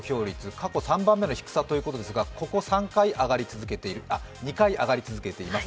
過去３番目の低さということですが、ここ２回上がり続けています。